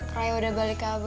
raya udah balik ke abah